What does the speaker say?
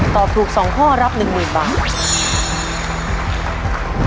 ตอบถูก๒ข้อรับ๑๐๐๐บาท